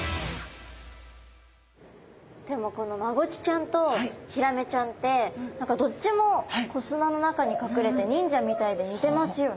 でもこのマゴチちゃんとヒラメちゃんってどっちも砂の中に隠れて忍者みたいで似てますよね。